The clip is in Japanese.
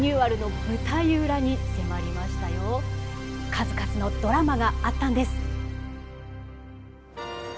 数々のドラマがあったんです！